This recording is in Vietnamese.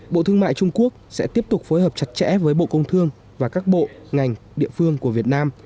bộ thương mại trung quốc sẽ tiếp tục phối hợp chặt chẽ với bộ công thương và các bộ ngành địa phương của việt nam